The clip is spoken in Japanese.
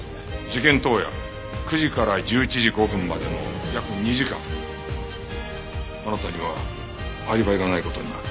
事件当夜９時から１１時５分までの約２時間あなたにはアリバイがない事になる。